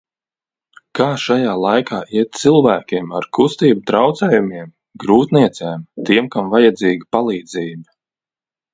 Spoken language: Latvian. Kā šajā laikā iet cilvēkiem ar kustību traucējumiem, grūtniecēm, tiem, kam vajadzīga palīdzība?